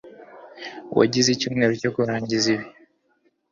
Wagize icyumweru cyo kurangiza ibi.